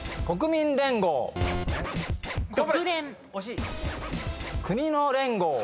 国連連合。